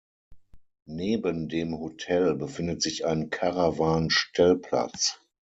Neben dem Hotel befindet sich ein Caravan-Stellplatz.